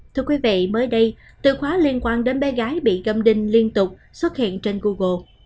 thưa quý vị mới đây từ khóa liên quan đến bé gái bị gâm đinh liên tục xuất hiện trên google